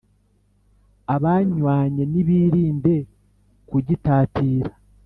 Abanywanye nibirinde kugitatira